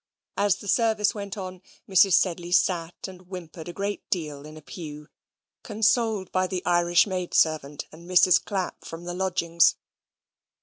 As the service went on, Mrs. Sedley sat and whimpered a great deal in a pew, consoled by the Irish maid servant and Mrs. Clapp from the lodgings.